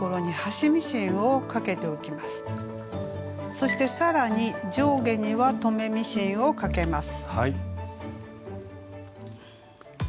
そしてさらに上下には留めミシンをかけます。